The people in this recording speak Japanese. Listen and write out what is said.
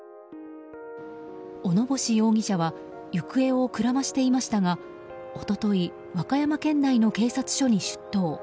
小野星容疑者は行方をくらましていましたが一昨日和歌山県内の警察署に出頭。